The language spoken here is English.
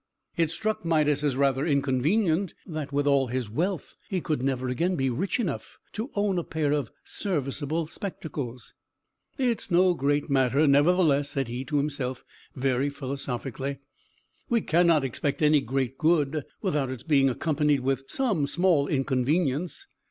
It struck Midas, as rather inconvenient that, with all his wealth, he could never again be rich enough to own a pair of serviceable spectacles. "It is no great matter, nevertheless," said he to himself, very philosophically. "We cannot expect any great good, without its being accompanied with some small inconvenience.